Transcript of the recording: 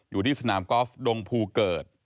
อยู่ที่สนามกอล์ฟดงภูเกิด